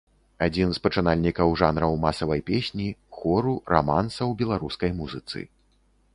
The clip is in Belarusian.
Адзін з пачынальнікаў жанраў масавай песні, хору, раманса ў беларускай музыцы.